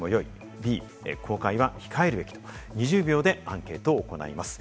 Ｂ、公開は控えるべき、２０秒でアンケートを行います。